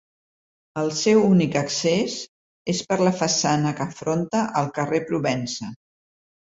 El seu únic accés és per la façana que afronta al carrer Provença.